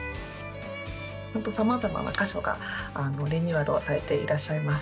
さまざまな箇所がリニューアルをされていらっしゃいます。